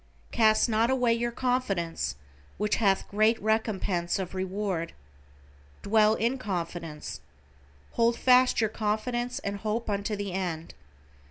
"Cast not away your confidence which hath great recompense of reward." "Dwell in confidence." "Hold fast your confidence and hope unto the end."